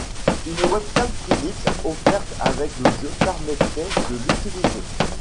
Une webcam Philips offerte avec le jeu, permettait de l'utiliser.